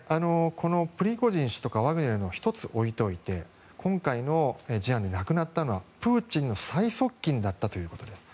プリゴジン氏やワグネルは１つ置いておいて今回の事案で亡くなったのはプーチンの最側近だったということです。